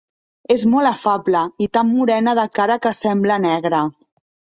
És molt afable i tan morena de cara que sembla negra.